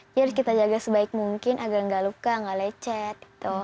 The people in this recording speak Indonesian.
jadi harus kita jaga sebaik mungkin agar nggak luka nggak lecet